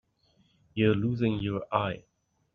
You're losing your eye.